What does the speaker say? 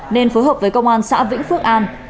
nên phối hợp với công an xã vĩnh phước an